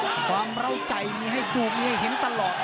ความร่าวใจมีให้ดูมีเห็นตลอด